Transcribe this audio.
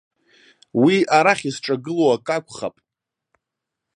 Уи арахь исҿагыло акы акәхап.